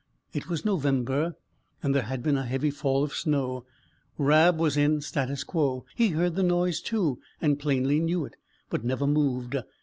It was November, and there had been a heavy fall of snow. Rab was in statu quo; he heard the noise too, and plainly knew it, but never moved.